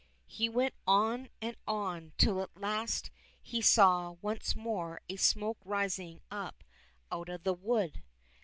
He went on and on till at last he saw once more a smoke rising up out of the wood.